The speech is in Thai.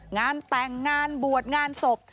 งานแต่งงานบวชงานศพ